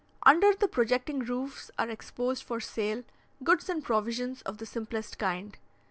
Under the projecting roofs are exposed for sale goods and provisions of the simplest kind.